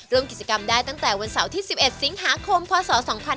ร่วมกิจกรรมได้ตั้งแต่วันเสาร์ที่๑๑สิงหาคมพศ๒๕๕๙